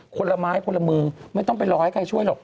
คนละไม้คนละมือไม่ต้องไปรอให้ใครช่วยหรอก